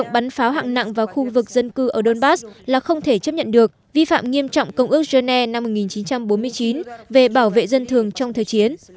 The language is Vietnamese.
bắn pháo hạng nặng vào khu vực dân cư ở donbass là không thể chấp nhận được vi phạm nghiêm trọng công ước genè năm một nghìn chín trăm bốn mươi chín về bảo vệ dân thường trong thời chiến